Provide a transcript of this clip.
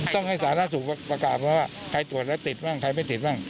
ต้องให้สาธารณสุขประกาศว่าใครตรวจแล้วติดบ้างใครไม่ติดบ้าง